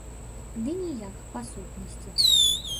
Ды ніяк, па сутнасці.